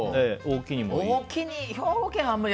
兵庫県はあんまり。